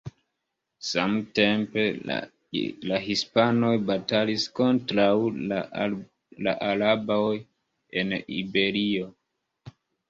Samtempe, la hispanoj batalis kontraŭ la araboj en Iberio.